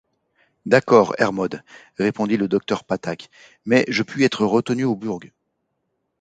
D’accord, Hermod, répondit le docteur Patak, mais je puis être retenu au burg...